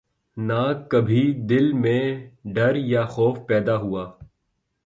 نہ کبھی دل میں ڈر یا خوف پیدا ہوا